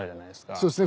そうですね。